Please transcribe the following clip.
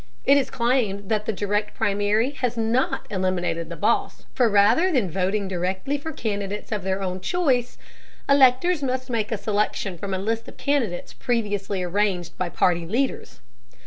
It is claimed that the Direct Primary has not eliminated the boss, for rather than voting directly for candidates of their own choice, electors must make a selection from a list of candidates previously arranged by party leaders.